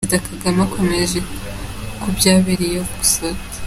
Perezida Kagame akomereje ku byabereye Oxford.